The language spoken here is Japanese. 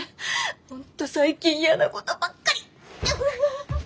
本当最近イヤなことばっかり。